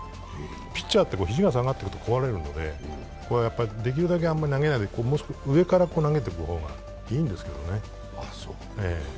ピッチャーって肘が下がってくると壊れるのでできるだけ投げないでもう少し上から投げていく方がいいんですけどね。